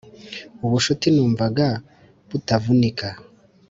ubucuti numvaga butavunika